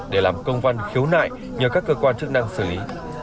để làm công văn khiếu nại nhờ các cơ quan chức năng xử lý